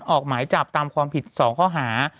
ออกหมายจับตามความผิด๒ข้อหา